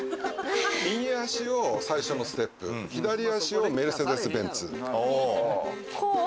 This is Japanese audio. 右足を最初のステップ、左足をメルセデス・ベンツ。